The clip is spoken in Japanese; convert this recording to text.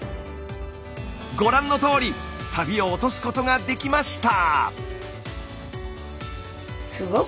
ご覧のとおりサビを落とすことができました。